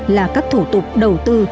là các thủ tục đầu tư